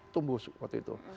tumbuh seperti itu